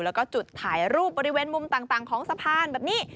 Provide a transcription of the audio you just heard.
แล้วก็จุดถ่ายรูปบริเวณมุมต่างของสะพานแบบนี้